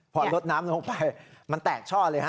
พอลดน้ำลงไปมันแตกช่อเลยฮะ